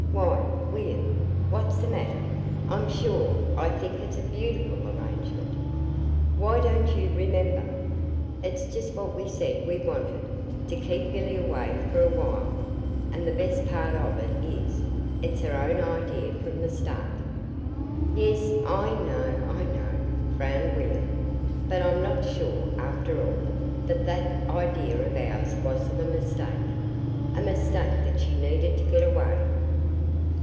Why, William, what's the matter? I'm sure, I think it's a beautiful arrangement. Why, don't you remember? It's just what we said we wanted to keep Billy away for awhile. And the best part of it is, it's her own idea from the start." "Yes, I know, I know," frowned William: "but I'm not sure, after all, that that idea of ours wasn't a mistake, a mistake that she needed to get away."